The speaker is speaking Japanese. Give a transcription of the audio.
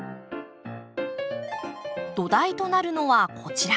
土台となるのはこちら。